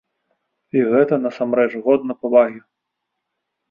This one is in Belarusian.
І гэта, насамрэч, годна павагі.